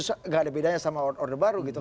tidak ada bedanya sama order baru gitu kan